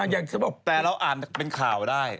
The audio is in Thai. อย่างที่บอกแต่เราอ่านเป็นข่าวได้